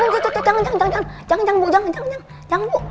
bu jangan jangan jangan bu